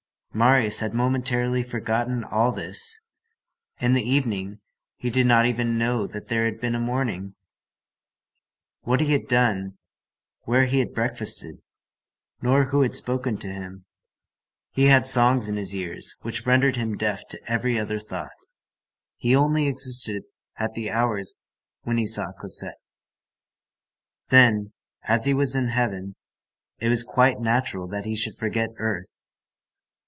Marius had momentarily forgotten all this; in the evening he did not even know that there had been a morning, what he had done, where he had breakfasted, nor who had spoken to him; he had songs in his ears which rendered him deaf to every other thought; he only existed at the hours when he saw Cosette. Then, as he was in heaven, it was quite natural that he should forget earth.